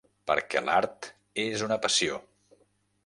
Perquè l'Art és una passió.